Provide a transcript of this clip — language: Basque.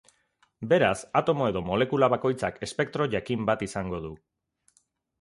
Beraz, atomo edo molekula bakoitzak espektro jakin bat izango du.